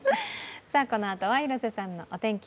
このあとは広瀬さんのお天気。